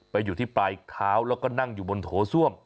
อยู่ที่ปลายเท้าแล้วก็นั่งอยู่บนโถส้วม